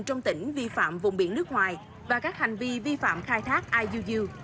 trong tỉnh vi phạm vùng biển nước ngoài và các hành vi vi phạm khai thác iuu